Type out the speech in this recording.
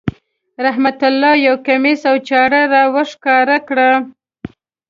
رحمت الله یو کمیس او چاړه را وښکاره کړه.